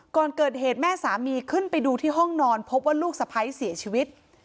ก่อนเกิดเหตุแม่สามีขึ้นไปดูที่ห้องนอนพบว่าลูกสะพ้ายเสียชีวิต